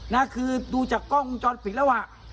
นะคือดูจากกล้องวงจรปิดแล้วอ่ะ